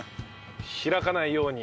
開かないように。